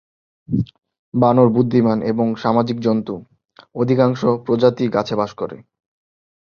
বানর বুদ্ধিমান ও সামাজিক জন্তু; অধিকাংশ প্রজাতিই গাছে বাস করে।